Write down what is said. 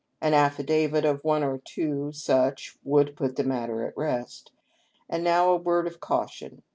An affi davit of one or two such would put the matter at rest. " And now, a word of caution.